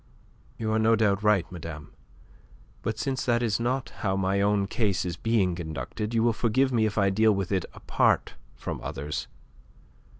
"You are no doubt right, madame. But since that is not how my own case is being conducted, you will forgive me if I deal with it apart from others.